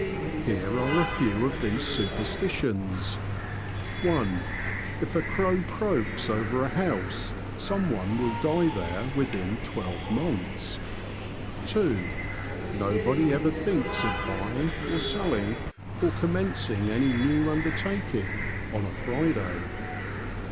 Here are a few of these superstitions :— (i.) If a crow croaks over a house, someone will die there within twelve months. (2.) Nobody ever thinks of buying or selling, or commencing any new undertaking, on a Friday.